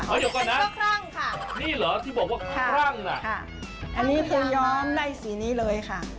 เดี๋ยวก่อนนะครั่งค่ะนี่เหรอที่บอกว่าคลั่งน่ะค่ะอันนี้คือย้อมไล่สีนี้เลยค่ะ